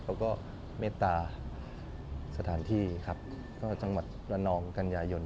แล้วก็เมตตาสถานที่จังหวัดละนองกัญญายน